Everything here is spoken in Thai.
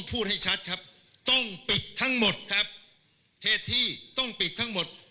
พูดให้ชัดครับต้องปิดทั้งหมดครับเหตุที่ต้องปิดทั้งหมด